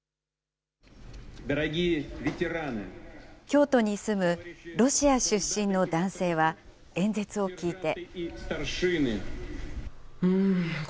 京都に住むロシア出身の男性は、演説を聞いて。